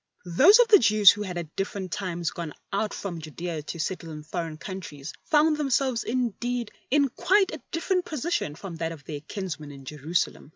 Those of the Jews who had at different times gone out from Judea to settle in foreign countries found themselves indeed in quite a different position from that of their kinsmen in Jerusalem.